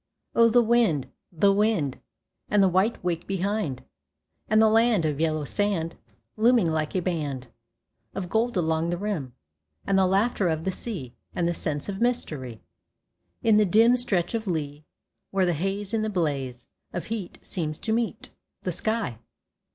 Oh, the wind, the wind, And the white wake behind; And the land Of yellow sand, Looming like a band Of gold along the rim; And the laughter of the sea, And the sense of mystery, In the dim Stretch of lee, Where the haze In the blaze Of heat seems to meet The sky.